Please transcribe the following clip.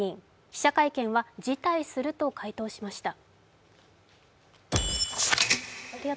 記者会見は辞退すると回答しました。